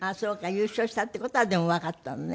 優勝したっていう事はでもわかったのね。